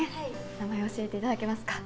名前を教えていただけますか。